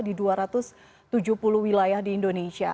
di dua ratus tujuh puluh wilayah di indonesia